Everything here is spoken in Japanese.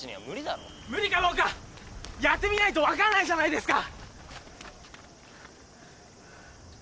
無理かどうかやってみないと分からないじゃないですか。